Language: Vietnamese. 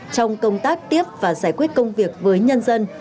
trong công tác tiếp và giải quyết công việc với nhân dân